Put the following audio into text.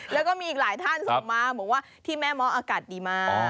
แล้วก็มีอีกหลายท่านส่งมาบอกว่าที่แม่เมาะอากาศดีมาก